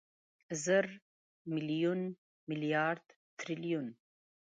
زر، ميليون، ميليارد، تریلیون